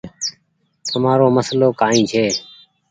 تمآرو مسلو ڪآئي ڇي۔